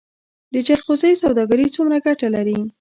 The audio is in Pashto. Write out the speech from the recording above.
د جلغوزیو سوداګري څومره ګټه لري؟